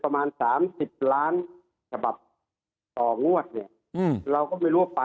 เอาระบบโปรต้าก่อนนะ